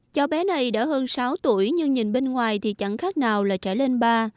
do bé này đã hơn sáu tuổi nhưng nhìn bên ngoài thì chẳng khác nào là trẻ lên ba